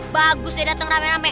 bagus nih dateng rame rame